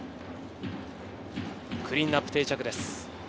クリーンナップ定着です。